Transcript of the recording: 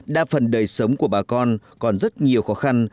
đa phần đời sống của bà con còn rất nhiều khó khăn